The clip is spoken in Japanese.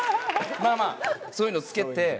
そういうの着けて。